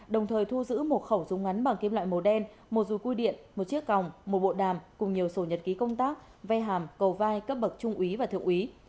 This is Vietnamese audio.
đồng thời thu giữ một khẩu súng ngắn bằng kim loại màu đen một rùi cui điện một chiếc còng một bộ đàm cùng nhiều sổ nhật ký công tác vay hàm cầu vai cấp bậc trung úy và thượng úy